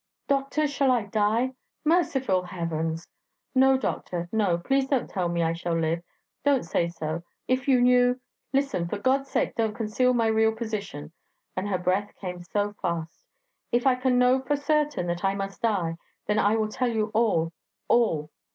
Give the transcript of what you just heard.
'Doctor, shall I die?' 'Merciful Heavens!' 'No, doctor, no; please don't tell me I shall live ... don't say so... If you knew... Listen! for God's sake don't conceal my real position,' and her breath came so fast. 'If I can know for certain that I must die ... then I will tell you all all!'